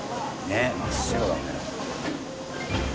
ねえ真っ白だね。